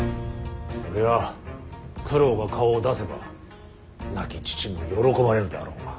それは九郎が顔を出せば亡き父も喜ばれるであろうが。